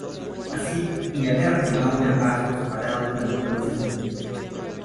Así, Inglaterra firmaba una paz por separado con las Provincias Unidas.